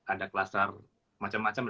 ada kelasar macam macam